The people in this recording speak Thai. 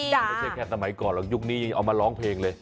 ไม่ใช่แค่สมัยก่อนหรอกยุคนี้ยังเอามาร้องเพลงเลย